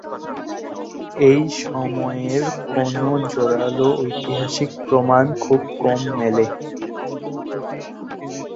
এই সময়ের কোনও জোরালো ঐতিহাসিক প্রমাণ খুব কম মেলে।